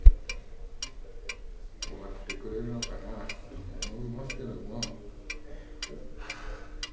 終わってくれるのかなと思いますけども。